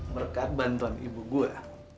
berkat bantuan ibu gue